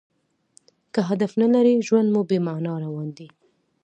که هدف نه لرى؛ ژوند مو بې مانا روان دئ.